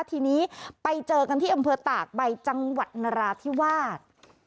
ทีนี้ไปเจอกันที่อำเภอตากใบจังหวัดนราธิวาส